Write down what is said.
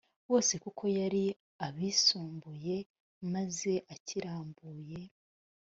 bose kuko yari abisumbuye maze akirambuye